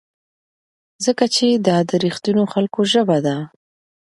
ځکه چې دا د رښتینو خلکو ژبه ده.